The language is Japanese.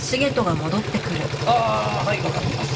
ああはいわかってます。